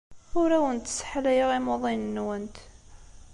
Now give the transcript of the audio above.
Ur awent-sseḥlayeɣ imuḍinen-nwent.